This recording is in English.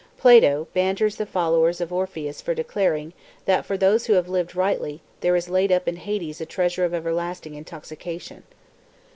Plato! ban ters the followers of Orpheus for declaring that for those who. have lived rightly, there is laid up in Hades a treasure of everlasting intoxication.